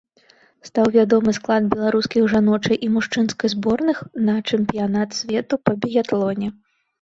Стаў вядомы склад беларускіх жаночай і мужчынскай зборных на чэмпіянат свету па біятлоне.